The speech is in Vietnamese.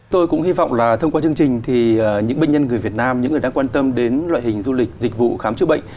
tôi cũng hy vọng là thông qua chương trình thì những bệnh nhân người việt nam những người đang quan tâm đến loại hình du lịch dịch vụ khám chữa bệnh